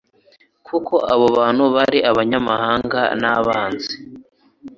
kuko abo bantu bar' abanyamahanga n'abanzi.